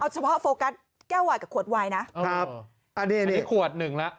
เฉพาะโฟกัสแก้ววายกับขวดวายนะครับอันนี้ขวดหนึ่งแล้ว